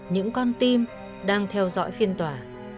những con tim đang theo dõi phiên tòa